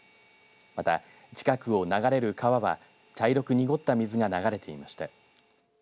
また、近くを流れる川は茶色く濁った水が流れていました。